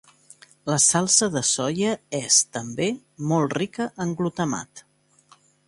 La salsa de soia és, també, molt rica en glutamat.